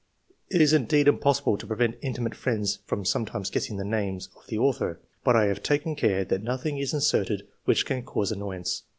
It is indeed impossible to prevent intimate friends from some times guessing the name of the author, but I have taken care that nothing is inserted which can cause annoyance.